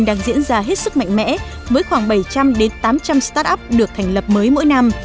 đang diễn ra hết sức mạnh mẽ với khoảng bảy trăm linh tám trăm linh start up được thành lập mới mỗi năm